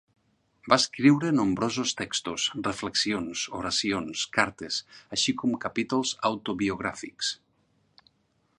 Va escriure nombrosos textos: reflexions, oracions, cartes, així com capítols autobiogràfics.